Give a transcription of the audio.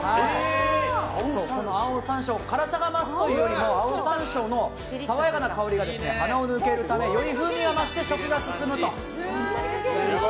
この青山椒辛さが増すというよりも青山椒の爽やかな香りが鼻を抜けるためより風味が増して食が進むと。